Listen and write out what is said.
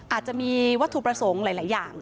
อาจจะมีวัตถุประสงค์หลายอย่าง